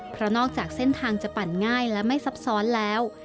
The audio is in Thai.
เพราะนอกจากเส้นทางจะปั่นง่ายและไม่ซับซ้อนแล้ว